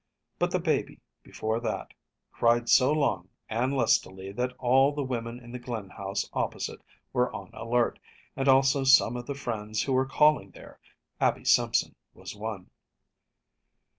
But the baby, before that, cried so long and lustily that all the women in the Glynn house opposite were on the alert, and also some of the friends who were calling there. Abby Simson was one.